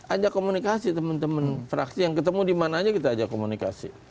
ajak komunikasi teman teman fraksi yang ketemu dimana aja kita ajak komunikasi